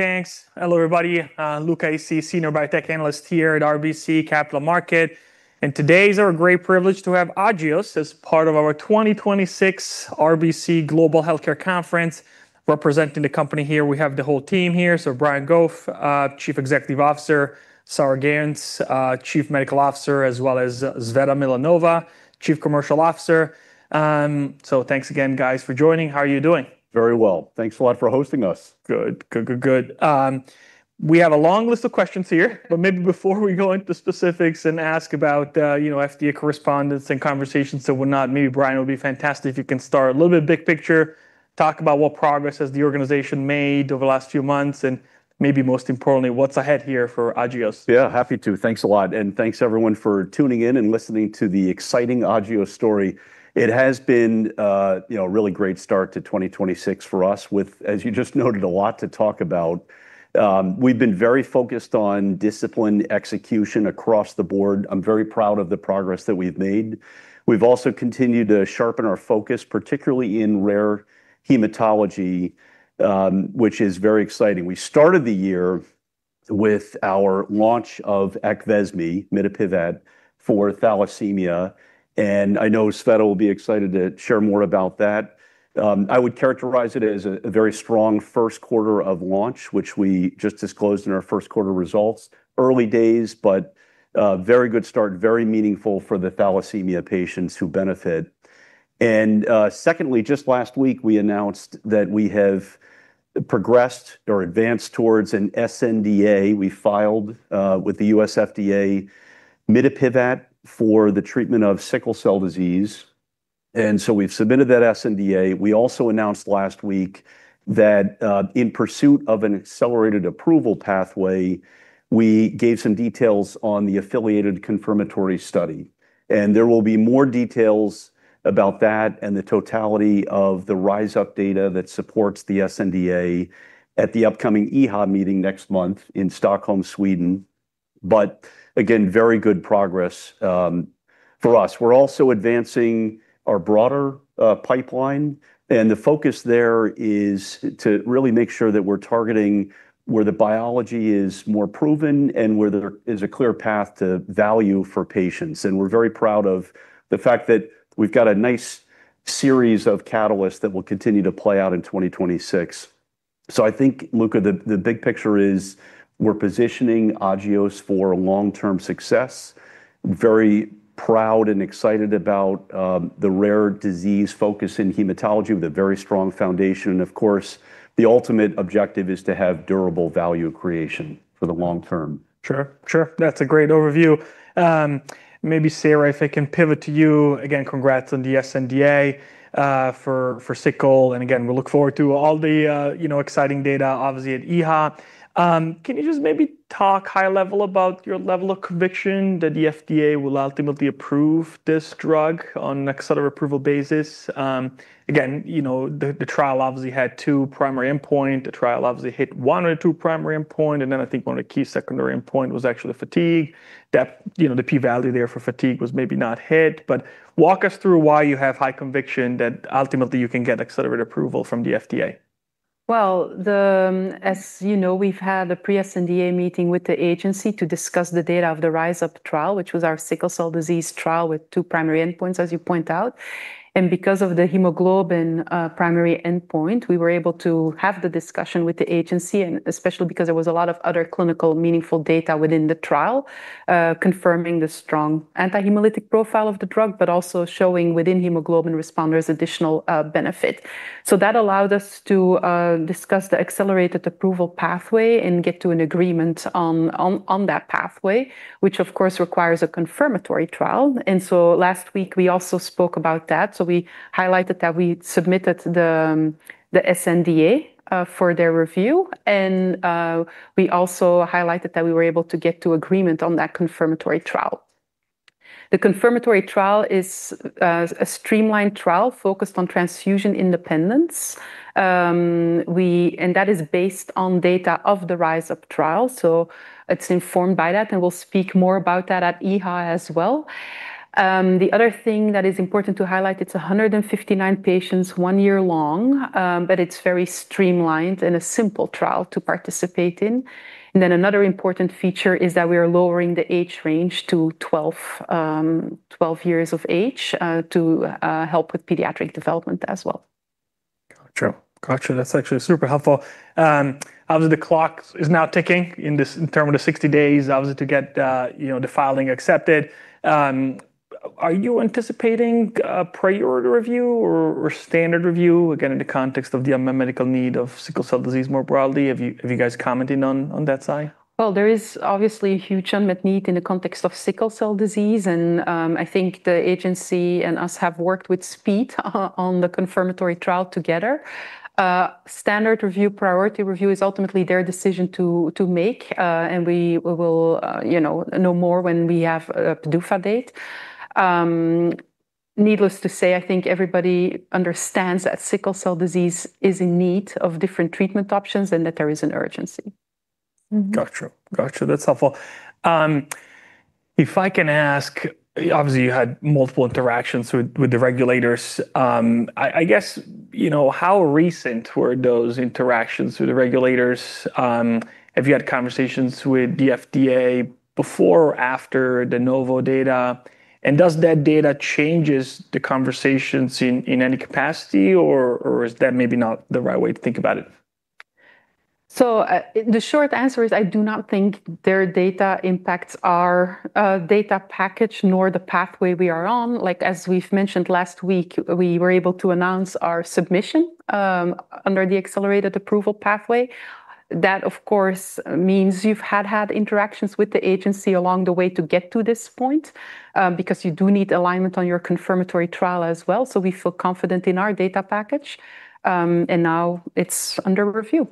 Thanks. Hello, everybody. Luca Issi, senior biotech analyst here at RBC Capital Markets. Today it's our great privilege to have Agios as part of our 2026 RBC Capital Markets Global Healthcare Conference. Representing the company here, we have the whole team here. Brian Goff, Chief Executive Officer, Sarah Gheuens, Chief Medical Officer, as well as Tsveta Milanova, Chief Commercial Officer. Thanks again, guys, for joining. How are you doing? Very well. Thanks a lot for hosting us. Good. We have a long list of questions here, but maybe before we go into specifics and ask about, you know, FDA correspondence and conversations and whatnot, maybe Brian, it would be fantastic if you can start a little bit big picture, talk about what progress has the organization made over the last few months, and maybe most importantly, what's ahead here for Agios. Yeah, happy to. Thanks a lot. Thanks, everyone, for tuning in and listening to the exciting Agios story. It has been, you know, a really great start to 2026 for us with, as you just noted, a lot to talk about. We've been very focused on discipline execution across the board. I'm very proud of the progress that we've made. We've also continued to sharpen our focus, particularly in rare hematology, which is very exciting. We started the year with our launch of AQVESME, mitapivat, for thalassemia, and I know Tsveta will be excited to share more about that. I would characterize it as a very strong first quarter of launch, which we just disclosed in our first quarter results. Early days, but a very good start, very meaningful for the thalassemia patients who benefit. Secondly, just last week, we announced that we have progressed or advanced towards an sNDA. We filed with the U.S. FDA mitapivat for the treatment of sickle cell disease. We've submitted that sNDA. We also announced last week that in pursuit of an accelerated approval pathway, we gave some details on the affiliated confirmatory study. There will be more details about that and the totality of the RISE UP data that supports the sNDA at the upcoming EHA meeting next month in Stockholm, Sweden. Very good progress for us. We're also advancing our broader pipeline, and the focus there is to really make sure that we're targeting where the biology is more proven and where there is a clear path to value for patients. We're very proud of the fact that we've got a nice series of catalysts that will continue to play out in 2026. I think, Luca, the big picture is we're positioning Agios for long-term success. Very proud and excited about the rare disease focus in hematology with a very strong foundation. Of course, the ultimate objective is to have durable value creation for the long term. Sure. Sure. That's a great overview. Maybe, Sarah, if I can pivot to you. Again, congrats on the sNDA for sickle. Again, we look forward to all the, you know, exciting data obviously at EHA. Can you just maybe talk high level about your level of conviction that the FDA will ultimately approve this drug on an accelerated approval basis? Again, you know, the trial obviously had two primary endpoint. The trial obviously hit one or two primary endpoint, and then I think one of the key secondary endpoint was actually fatigue. That, you know, the P value there for fatigue was maybe not hit. Walk us through why you have high conviction that ultimately you can get accelerated approval from the FDA. Well, as you know, we've had a pre-sNDA meeting with the agency to discuss the data of the RISE UP trial, which was our sickle cell disease trial with two primary endpoints, as you point out. Because of the hemoglobin primary endpoint, we were able to have the discussion with the agency, and especially because there was a lot of other clinical meaningful data within the trial, confirming the strong anti-hemolytic profile of the drug, but also showing within hemoglobin responders additional benefit. That allowed us to discuss the accelerated approval pathway and get to an agreement on that pathway, which of course requires a confirmatory trial. Last week we also spoke about that. We highlighted that we submitted the sNDA for their review, and we also highlighted that we were able to get to agreement on that confirmatory trial. The confirmatory trial is a streamlined trial focused on transfusion independence. And that is based on data of the RISE UP trial, so it's informed by that, and we'll speak more about that at EHA as well. The other thing that is important to highlight, it's 159 patients, one year long, but it's very streamlined and a simple trial to participate in. Another important feature is that we are lowering the age range to 12 years of age to help with pediatric development as well. Gotcha. Gotcha. That's actually super helpful. Obviously the clock is now ticking in term of the 60 days, obviously to get, you know, the filing accepted. Are you anticipating a priority review or standard review, again, in the context of the unmet medical need of sickle cell disease more broadly? Have you guys commented on that side? Well, there is obviously a huge unmet need in the context of sickle cell disease, and I think the agency and us have worked with speed on the confirmatory trial together. Standard review, priority review is ultimately their decision to make, and we will, you know more when we have a PDUFA date. Needless to say, I think everybody understands that sickle cell disease is in need of different treatment options and that there is an urgency. Gotcha. Gotcha, that's helpful. If I can ask, obviously you had multiple interactions with the regulators. I guess, you know, how recent were those interactions with the regulators? Have you had conversations with the FDA before or after the Novo data? Does that data changes the conversations in any capacity or is that maybe not the right way to think about it? The short answer is I do not think their data impacts our data package, nor the pathway we are on. As we've mentioned last week, we were able to announce our submission under the accelerated approval pathway. That, of course, means you've had interactions with the agency along the way to get to this point, because you do need alignment on your confirmatory trial as well. We feel confident in our data package, and now it's under review.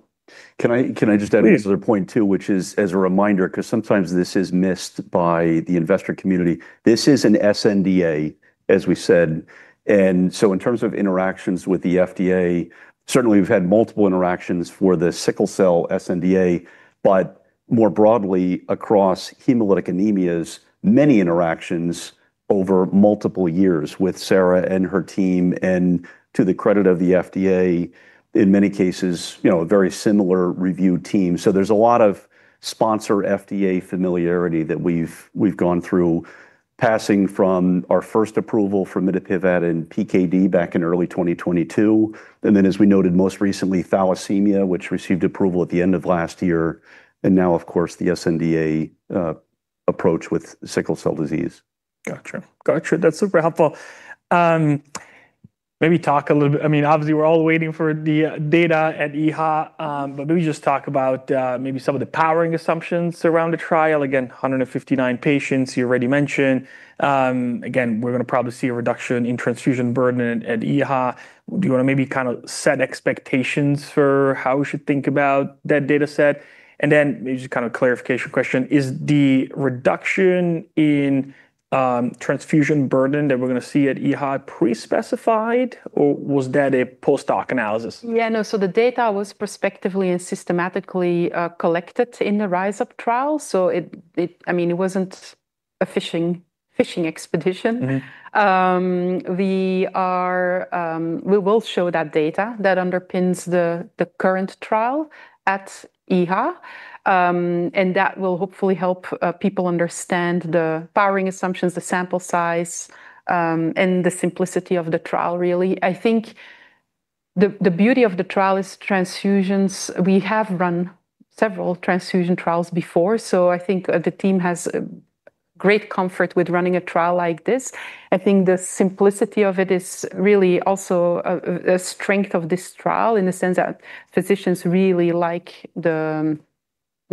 Can I just. Please. Another point too, which is as a reminder, because sometimes this is missed by the investor community. This is an sNDA, as we said. In terms of interactions with the FDA, certainly we've had multiple interactions for the sickle cell sNDA, but more broadly across hemolytic anemias, many interactions over multiple years with Sarah Gheuens and her team. To the credit of the FDA, in many cases, you know, a very similar review team. There's a lot of sponsor-FDA familiarity that we've gone through passing from our first approval for mitapivat and PKD back in early 2022, as we noted most recently, thalassemia, which received approval at the end of last year, now of course, the sNDA approach with sickle cell disease. Gotcha. Gotcha. That's super helpful. Maybe talk a little bit I mean, obviously, we're all waiting for the data at EHA, but maybe just talk about maybe some of the powering assumptions around the trial. 159 patients you already mentioned. We're gonna probably see a reduction in transfusion burden at EHA. Do you wanna maybe kind of set expectations for how we should think about that data set? Maybe just kind of clarification question, is the reduction in transfusion burden that we're gonna see at EHA pre-specified, or was that a post-hoc analysis? Yeah, no. The data was prospectively and systematically collected in the RISE UP trial, so it, I mean, it wasn't a fishing expedition. We are, we will show that data that underpins the current trial at EHA. That will hopefully help people understand the powering assumptions, the sample size, and the simplicity of the trial, really. I think the beauty of the trial is transfusions. We have run several transfusion trials before, so I think the team has great comfort with running a trial like this. I think the simplicity of it is really also a strength of this trial in the sense that physicians really like the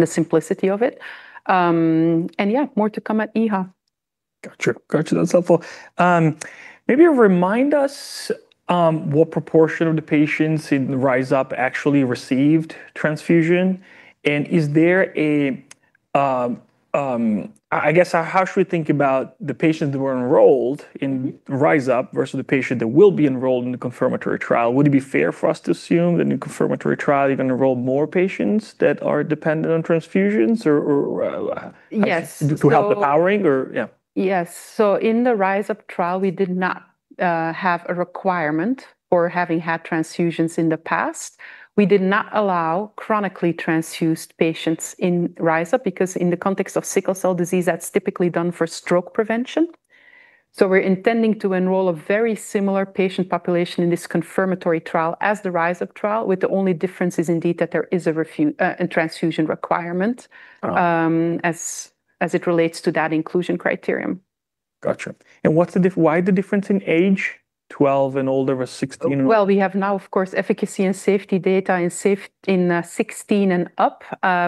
simplicity of it. Yeah, more to come at EHA. Gotcha. Gotcha, that's helpful. Maybe remind us what proportion of the patients in RISE UP actually received transfusion, and is there a I guess, how should we think about the patients that were enrolled in RISE UP versus the patient that will be enrolled in the confirmatory trial? Would it be fair for us to assume the new confirmatory trial even enroll more patients that are dependent on transfusions to help the powering or, yeah. Yes. In the Rise Up trial, we did not have a requirement for having had transfusions in the past. We did not allow chronically transfused patients in Rise Up because in the context of sickle cell disease, that's typically done for stroke prevention. We're intending to enroll a very similar patient population in this confirmatory trial as the Rise Up trial, with the only difference is indeed that there is a transfusion requirement as it relates to that inclusion criterion. Gotcha. Why the difference in age, 12 and older versus 16 and older? We have now, of course, efficacy and safety data in 16 and up,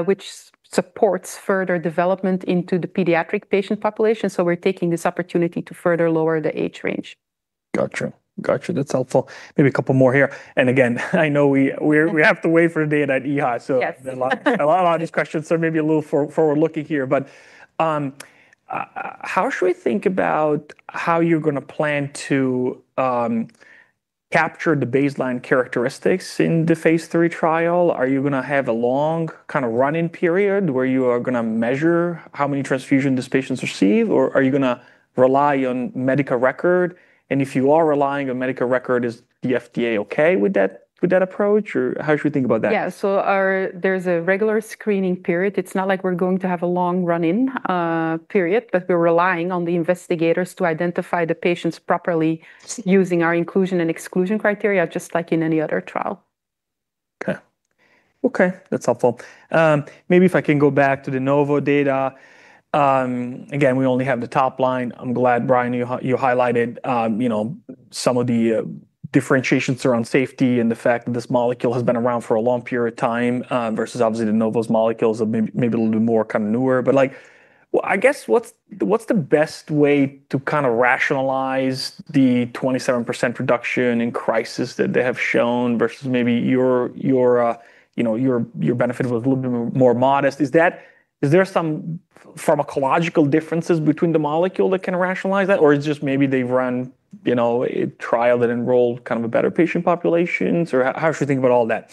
which supports further development into the pediatric patient population. We're taking this opportunity to further lower the age range. Gotcha. Gotcha, that's helpful. Maybe a couple more here. Again, I know we have to wait for data at EHA. A lot of these questions are maybe a little forward-looking here. How should we think about how you're going to plan to capture the baseline characteristics in the phase III trial? Are you going to have a long kind of run-in period where you are going to measure how many transfusion these patients receive, or are you going to rely on medical record? If you are relying on medical record, is the FDA okay with that approach, or how should we think about that? There's a regular screening period. It's not like we're going to have a long run-in period, but we're relying on the investigators to identify the patients properly using our inclusion and exclusion criteria, just like in any other trial. Okay, that's helpful. Maybe if I can go back to the the Novo data. Again, we only have the top line. I'm glad, Brian, you highlighted, you know, some of the differentiations around safety and the fact that this molecule has been around for a long period of time versus obviously the Novo molecules are maybe a little bit more kind of newer. Well, I guess, what's the best way to kind of rationalize the 27% reduction in crisis that they have shown versus maybe your, you know, your benefit was a little bit more modest? Is there some pharmacological differences between the molecule that can rationalize that, or it's just maybe they've run, you know, a trial that enrolled kind of a better patient populations? How should we think about all that?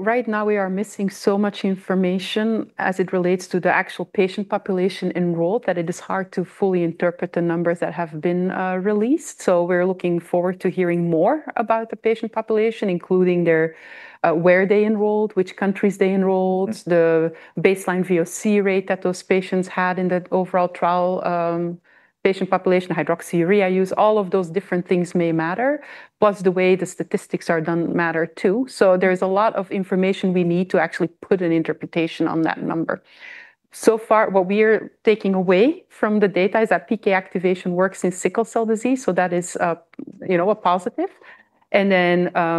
Right now we are missing so much information as it relates to the actual patient population enrolled that it is hard to fully interpret the numbers that have been released. We're looking forward to hearing more about the patient population, including their where they enrolled, which countries they enrolled. The baseline VOC rate that those patients had in that overall trial. Patient population hydroxyurea use, all of those different things may matter. The way the statistics are done matter too. There's a lot of information we need to actually put an interpretation on that number. So far, what we are taking away from the data is that PK activation works in sickle cell disease, so that is, you know, a positive.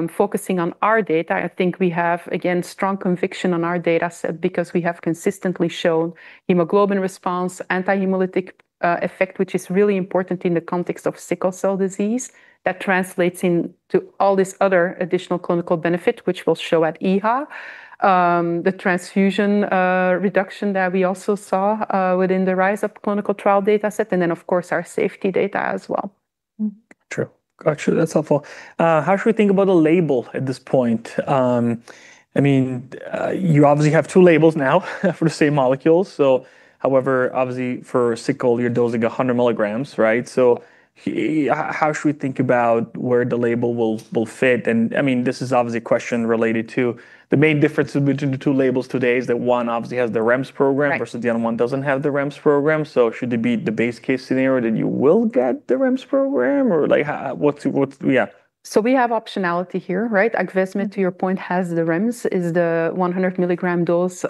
Focusing on our data, I think we have, again, strong conviction on our data set because we have consistently shown hemoglobin response, anti-hemolytic effect, which is really important in the context of sickle cell disease. That translates into all this other additional clinical benefit, which we'll show at EHA. The transfusion reduction that we also saw within the RISE UP clinical trial data set, and then of course our safety data as well. True. Gotcha. That's helpful. How should we think about the label at this point? I mean, you obviously have two labels now for the same molecule, however, obviously for sickle you're dosing 100 milligrams, right? How should we think about where the label will fit? I mean, this is obviously a question related to the main difference between the two labels today is that one obviously has the REMS program versus the other one doesn't have the REMS program. Should it be the base case scenario that you will get the REMS program, or like what's yeah? We have optionality here, right? AQVESME, to your point, has the REMS, is the 100 milligram dose,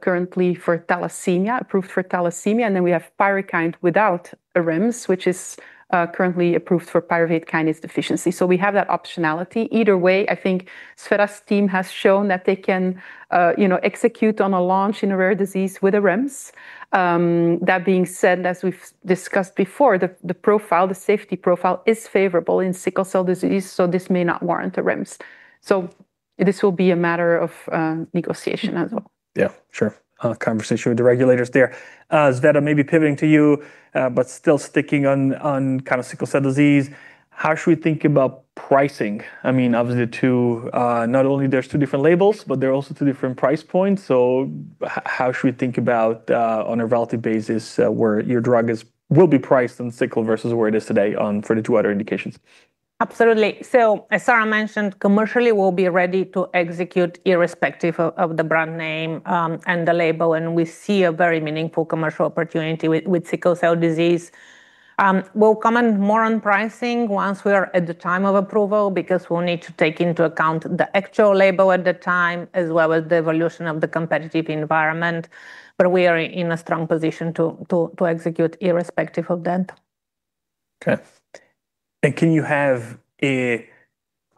currently for thalassemia, approved for thalassemia, we have PYRUKYND without a REMS, which is currently approved for pyruvate kinase deficiency. We have that optionality. Either way, I think Tsveta's team has shown that they can, you know, execute on a launch in a rare disease with a REMS. That being said, as we've discussed before, the profile, the safety profile is favorable in sickle cell disease, this may not warrant a REMS. This will be a matter of negotiation as well. Yeah, sure. A conversation with the regulators there. Tsveta, maybe pivoting to you, but still sticking on kind of sickle cell disease, how should we think about pricing? I mean, obviously two. Not only there's two different labels, but there are also two different price points. How should we think about on a relative basis where your drug will be priced in sickle versus where it is today on for the two other indications? Absolutely. As Sarah mentioned, commercially we'll be ready to execute irrespective of the brand name and the label, and we see a very meaningful commercial opportunity with sickle cell disease. We'll comment more on pricing once we are at the time of approval because we'll need to take into account the actual label at the time as well as the evolution of the competitive environment, but we are in a strong position to execute irrespective of that. Okay. Can you have a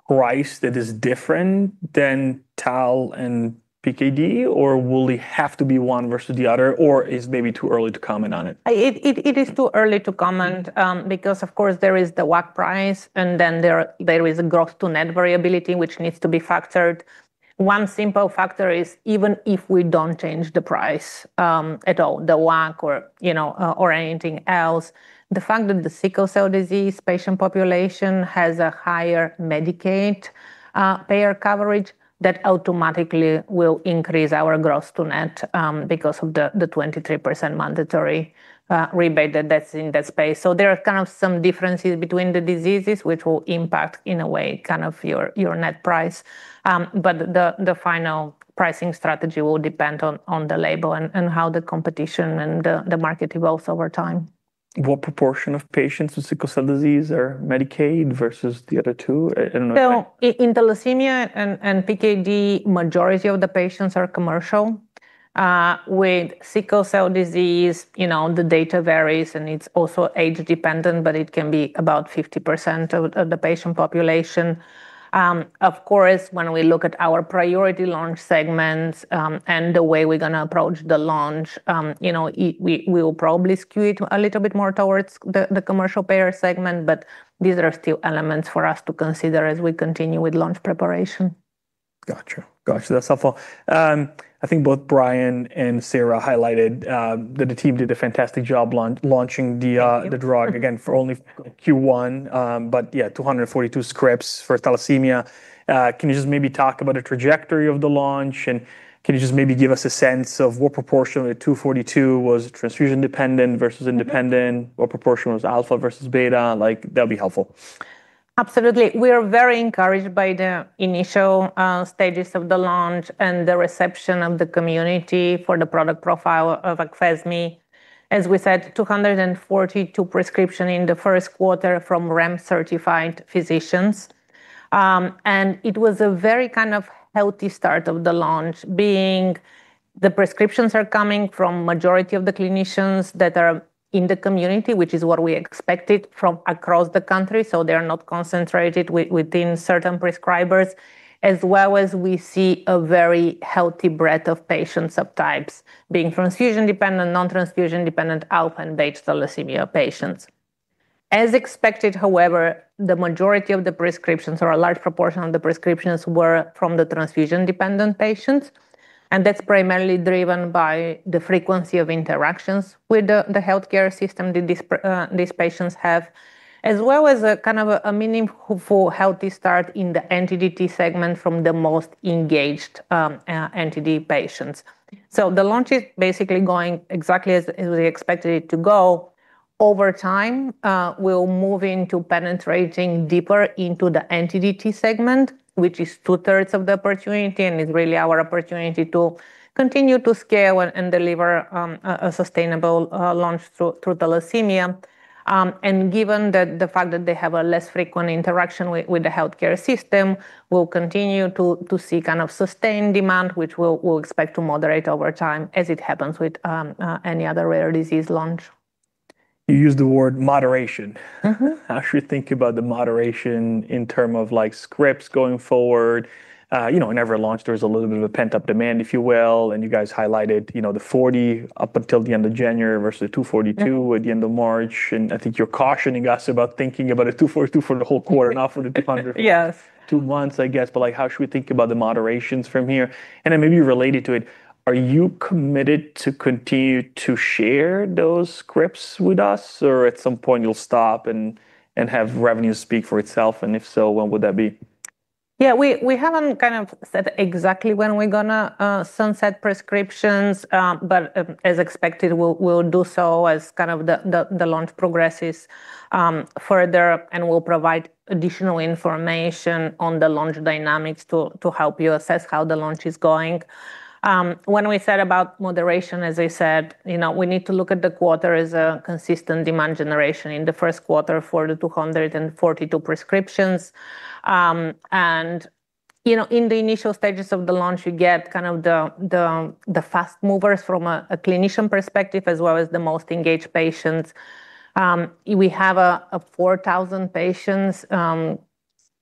price that is different than thalassemia and PKD, or will it have to be one versus the other, or is maybe too early to comment on it? It is too early to comment, because of course there is the WAC price, and then there is a gross to net variability which needs to be factored. One simple factor is even if we don't change the price at all, the WAC or, you know, or anything else, the fact that the sickle cell disease patient population has a higher Medicaid payer coverage, that automatically will increase our gross to net, because of the 23% mandatory rebate that's in that space. There are kind of some differences between the diseases which will impact in a way kind of your net price. The final pricing strategy will depend on the label and how the competition and the market evolves over time. What proportion of patients with sickle cell disease are Medicaid versus the other two? I don't know. In thalassemia and PKD, majority of the patients are commercial. With sickle cell disease, you know, the data varies and it's also age dependent, but it can be about 50% of the patient population. Of course, when we look at our priority launch segments, and the way we're gonna approach the launch, you know, it will probably skew it a little bit more towards the commercial payer segment, but these are still elements for us to consider as we continue with launch preparation. Gotcha. Gotcha, that's helpful. I think both Brian and Sarah highlighted that the team did a fantastic job launching. The drug again for only Q1. 242 scripts for thalassemia. Can you just maybe talk about the trajectory of the launch, and can you just maybe give us a sense of what proportion of the 242 was transfusion dependent versus independent? What proportion was alpha versus beta? Like that'll be helpful. Absolutely. We are very encouraged by the initial stages of the launch and the reception of the community for the product profile of AQVESME. As we said, 242 prescription in the first quarter from REMS certified physicians. It was a very kind of healthy start of the launch, being the prescriptions are coming from majority of the clinicians that are in the community, which is what we expected from across the country, so they're not concentrated within certain prescribers. We see a very healthy breadth of patient subtypes, being transfusion-dependent, non-transfusion-dependent, alpha and beta thalassemia patients. As expected, however, the majority of the prescriptions or a large proportion of the prescriptions were from the transfusion-dependent patients. That's primarily driven by the frequency of interactions with the healthcare system that these patients have, as well as a kind of a meaningful healthy start in the NTDT segment from the most engaged NTD patients. The launch is basically going exactly as we expected it to go. Over time, we'll move into penetrating deeper into the NTDT segment, which is 2/3 of the opportunity and is really our opportunity to continue to scale and deliver a sustainable launch through thalassemia. Given that the fact that they have a less frequent interaction with the healthcare system, we'll continue to see kind of sustained demand, which we'll expect to moderate over time as it happens with any other rare disease launch. You used the word moderation. How should we think about the moderation in terms of, like, scripts going forward? You know, in every launch there's a little bit of a pent-up demand, if you will, and you guys highlighted, you know, the 40 up until the end of January versus the 242 at the end of March, and I think you're cautioning us about thinking about a 242 for the whole quarter 200 two months, I guess. Like, how should we think about the moderations from here? Maybe related to it, are you committed to continue to share those scripts with us? At some point you'll stop and have revenue speak for itself, and if so, when would that be? We haven't said exactly when we're going to sunset prescriptions. As expected, we'll do so as the launch progresses further, and we'll provide additional information on the launch dynamics to help you assess how the launch is going. When we said about moderation, as I said, you know, we need to look at the quarter as a consistent demand generation. In the first quarter for 242 prescriptions. You know, in the initial stages of the launch you get the fast movers from a clinician perspective as well as the most engaged patients. We have a 4,000 patients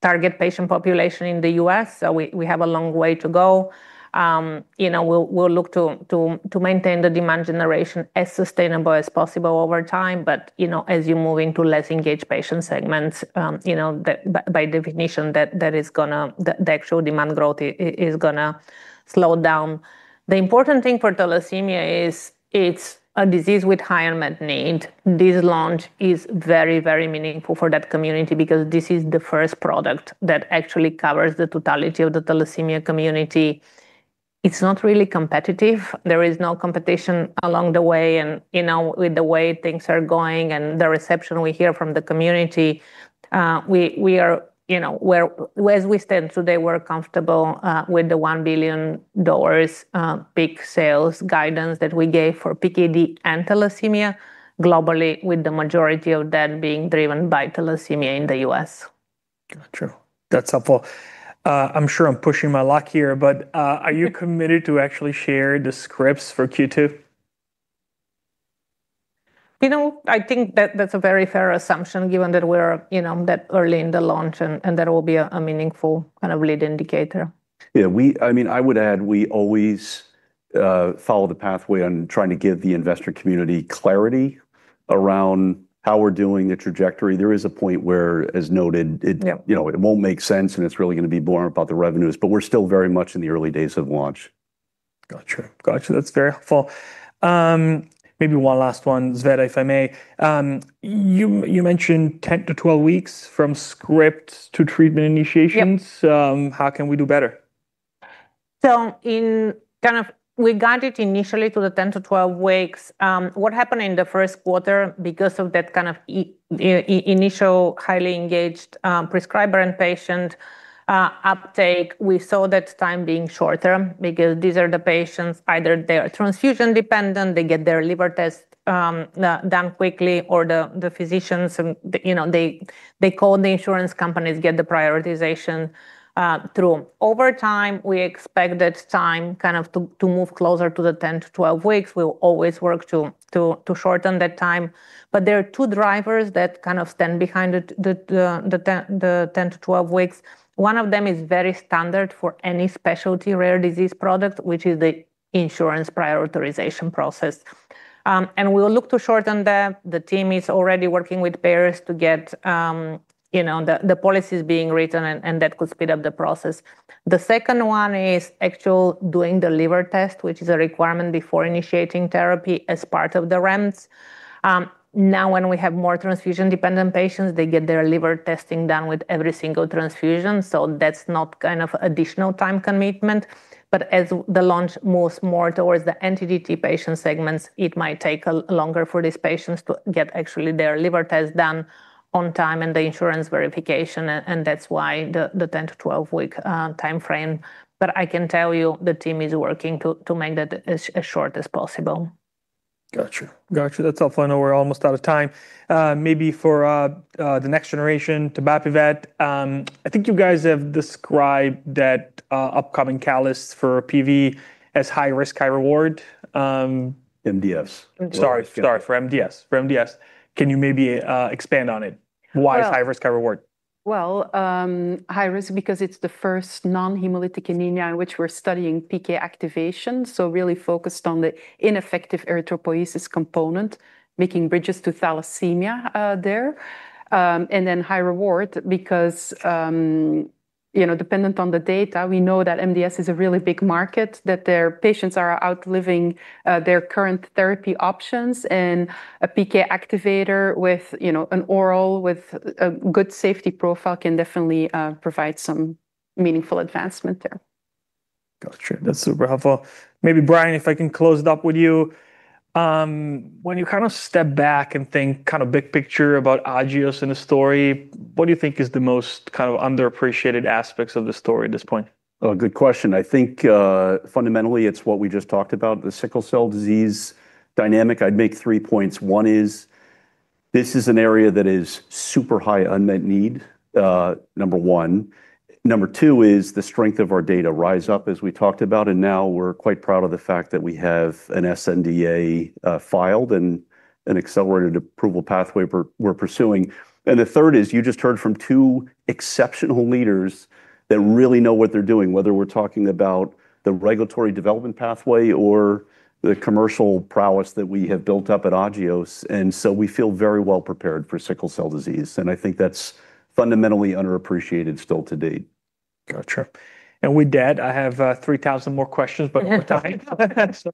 target patient population in the U.S., we have a long way to go. You know, we'll look to maintain the demand generation as sustainable as possible over time. You know, as you move into less engaged patient segments, you know, by definition that is gonna the actual demand growth is gonna slow down. The important thing for thalassemia is it's a disease with higher med need. This launch is very, very meaningful for that community because this is the first product that actually covers the totality of the thalassemia community. It's not really competitive. There is no competition along the way, with the way things are going and the reception we hear from the community, as we stand today, we're comfortable with the $1 billion peak sales guidance that we gave for PKD and thalassemia globally with the majority of that being driven by thalassemia in the U.S. Gotcha. That's helpful. I'm sure I'm pushing my luck here, but are you committed to actually share the scripts for Q2? You know, I think that that's a very fair assumption given that we're, you know, that early in the launch and that will be a meaningful kind of lead indicator. Yeah, we I mean, I would add we always follow the pathway on trying to give the investor community clarity around how we're doing, the trajectory. There is a point where, as noted. You know, it won't make sense, and it's really gonna be more about the revenues. We're still very much in the early days of launch. Gotcha. Gotcha. That's very helpful. Maybe one last one, Tsveta, if I may. You mentioned 10 to 12 weeks from script to treatment initiations. Yep. How can we do better? In kind of We guided initially to the 10 to 12 weeks. What happened in the first quarter, because of that kind of initial highly engaged prescriber and patient uptake, we saw that time being shorter because these are the patients, either they are transfusion dependent, they get their liver test done quickly, or the physicians, you know, they call the insurance companies, get the prior authorization through. Over time, we expect that time kind of to move closer to the 10 to 12 weeks. We'll always work to shorten that time. There are two drivers that kind of stand behind the 10 to 12 weeks. One of them is very standard for any specialty rare disease product, which is the insurance prior authorization process. We'll look to shorten that. The team is already working with payers to get, you know, the policies being written and that could speed up the process. The second one is actually doing the liver test, which is a requirement before initiating therapy as part of the REMS. Now when we have more transfusion-dependent patients, they get their liver testing done with every single transfusion, so that's not kind of additional time commitment. As the launch moves more towards the NTDT patient segments, it might take longer for these patients to get actually their liver test done on time and the insurance verification and that's why the 10- to 12-week timeframe. I can tell you the team is working to make that as short as possible. Gotcha. Gotcha. That's helpful. I know we're almost out of time. Maybe for the next generation, tebapivat, I think you guys have described that upcoming catalyst for PV as high risk, high reward. MDS Sorry, for MDS. Can you maybe expand on it? Why it's high risk, high reward? High risk because it's the first non-hemolytic anemia in which we're studying PK activation, so really focused on the ineffective erythropoiesis component, making bridges to thalassemia there. high reward because, you know, dependent on the data we know that MDS is a really big market, that their patients are outliving their current therapy options. A PK activator with, you know, an oral with a good safety profile can definitely provide some meaningful advancement there. Gotcha. That's super helpful. Maybe Brian, if I can close it up with you, when you kind of step back and think kind of big picture about Agios and the story, what do you think is the most kind of underappreciated aspects of the story at this point? Oh, good question. I think fundamentally it's what we just talked about, the sickle cell disease dynamic. I'd make three points. One is this is an area that is super high unmet need, number one. Number two is the strength of our data RISE UP, as we talked about, and now we're quite proud of the fact that we have an sNDA filed and an accelerated approval pathway we're pursuing. The third is you just heard from two exceptional leaders that really know what they're doing, whether we're talking about the regulatory development pathway or the commercial prowess that we have built up at Agios. We feel very well prepared for sickle cell disease, and I think that's fundamentally underappreciated still to date. Gotcha. With that, I have 3,000 more questions, but we're tight.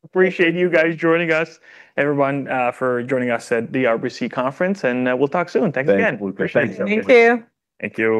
Appreciate you guys joining us, everyone, for joining us at the RBC conference, we'll talk soon. Thanks again. Thank you. We appreciate it. Thank you.